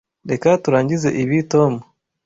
Reka turangize ibi, Tom.